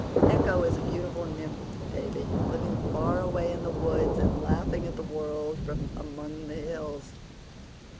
"Echo is a beautiful nymph, Davy, living far away in the woods, and laughing at the world from among the hills."